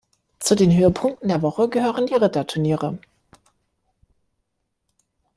Zu den Höhepunkten der Woche gehören die Ritterturniere.